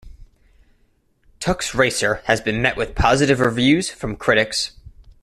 "Tux Racer" has been met with positive reviews from critics.